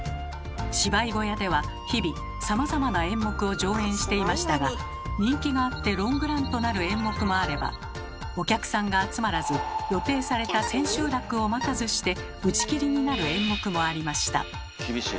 芝居小屋では日々さまざまな演目を上演していましたが人気があってロングランとなる演目もあればお客さんが集まらず予定された千秋楽を待たずして打ち切りになる演目もありました。